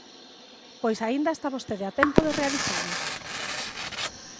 Pois aínda está vostede a tempo de realizalo.